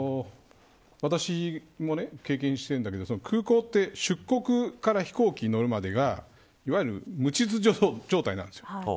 私も経験してるんだけど空港って出国から飛行機に乗るまでがいわゆる無秩序状態なんです。